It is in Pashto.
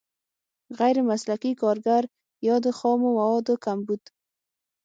غیر مسلکي کارګر یا د خامو موادو کمبود.